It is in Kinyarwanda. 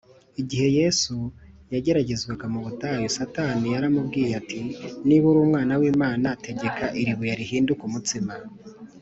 igihe yesu yageragezwaga mu butayu, satani yaramubwiye ati, “niba uri umwana w’imana, tegeka iri buye rihinduke umutsima